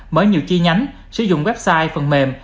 mới nhiều chi nhánh sử dụng website phần mềm